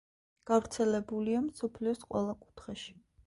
გავრცელებულია მსოფლიოს ყველა კუთხეში.